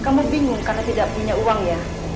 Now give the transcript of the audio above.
kamu bingung karena tidak punya uang ya